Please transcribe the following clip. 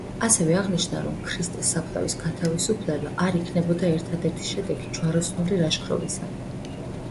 ასევე აღნიშნა, რომ ქრისტეს საფლავის გათავისუფლება არ იქნებოდა ერთადერთი შედეგი ჯვაროსნული ლაშქრობისა.